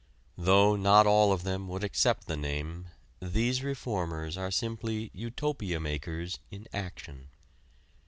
Though not all of them would accept the name, these reformers are simply utopia makers in action.